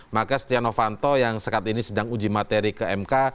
maka setia novanto yang sekat ini sedang uji materi ke mk